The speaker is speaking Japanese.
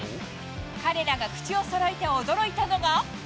彼らが口をそろえて驚いたのが。